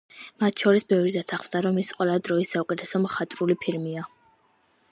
მათ შორის ბევრი თანხმდება, რომ ის ყველა დროის საუკეთესო მხატვრული ფილმია.